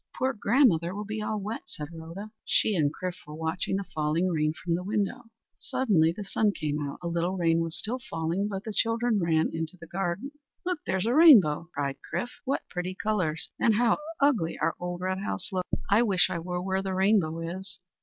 "Poor grandmother will be all wet!" said Rhoda. She and Chrif were watching the falling rain from the window. Suddenly the sun came out. A little rain was still falling, but the children ran into the yard. "Look, there's a rainbow!" cried Chrif. "What pretty colours! and how ugly our old red house looks! I wish I were where the rainbow is."